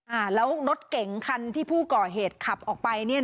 แล้วรถเก่งคันที่ผู้ก่อเหตุขับออกไป